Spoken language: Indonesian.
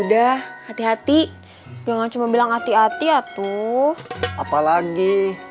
diem di rumah ya udah hati hati jangan cuma bilang hati hati ya tuh apalagi